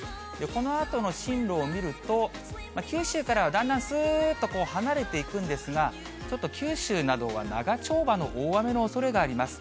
このあとの進路を見ると、九州からはだんだんすーっと離れていくんですが、ちょっと九州などは長丁場の大雨のおそれがあります。